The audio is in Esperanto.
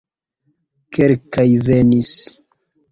Kelkaj venis.